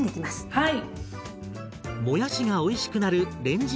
はい。